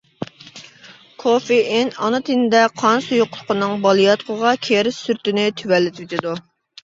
كوفېئىن ئانا تېنىدە قان سۇيۇقلۇقىنىڭ بالىياتقۇغا كىرىش سۈرئىتىنى تۆۋەنلىتىۋېتىدۇ.